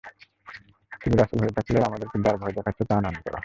তুমি রাসূল হয়ে থাকলে আমাদেরকে যার ভয় দেখাচ্ছ তা আনয়ন কর।